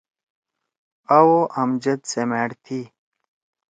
آ او امجد سیمأڑ تھی۔